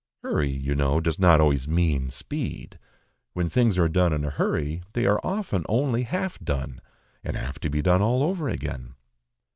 Hurry you know does not always mean speed; when things are done in a hurry they are often only half done, and have to be done all over again.